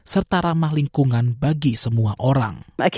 terutama di kota kota di australia